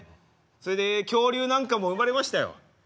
それで恐竜なんかも生まれましたよ。